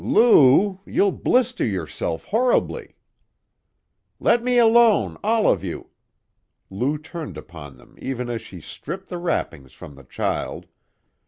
"Lou! You'll blister yourself horribly " "Let me alone, all of you!" Lou turned upon them even as she stripped the wrappings from the child.